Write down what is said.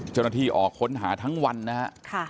เจ้าหน้าที่ออกค้นหาทั้งวันนะฮะ